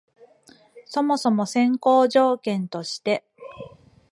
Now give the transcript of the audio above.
そもそも先行条件として、